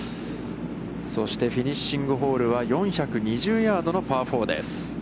そしてフィニッシングホールは、４２０ヤードのパー４です。